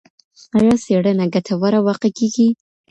ایا څېړنه ګټوره واقع کېږي؟